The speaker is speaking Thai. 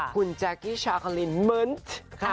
คุณแจ๊กกี้ชาคลินเมิ้นท์